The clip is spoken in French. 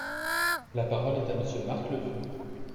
La parole est à Monsieur Marc Le Fur.